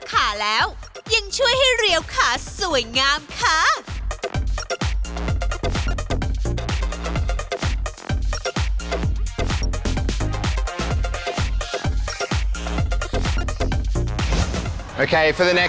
กล้ามลงขึ้นลงขึ้นขึ้น